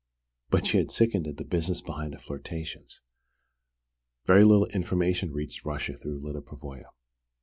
But she had sickened at the business behind the flirtations. Very little information reached Russia through Lyda Pavoya!